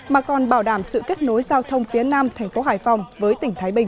mà còn bảo đảm sự kết nối giao thông phía nam thành phố hải phòng với tỉnh thái bình